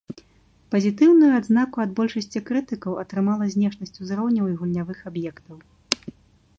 Пазітыўную адзнаку ад большасці крытыкаў атрымала знешнасць узроўняў і гульнявых аб'ектаў.